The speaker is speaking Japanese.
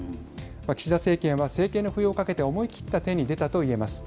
岸田政権は政権の浮揚をかけて思い切った手に出たと言えます。